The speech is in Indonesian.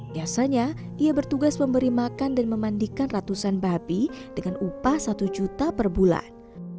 biasanya ia bertugas memberi makan dan memandikan ratusan babi dengan upah satu juta per bulan